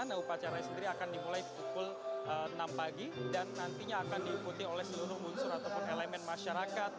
nah upacaranya sendiri akan dimulai pukul enam pagi dan nantinya akan diikuti oleh seluruh unsur ataupun elemen masyarakat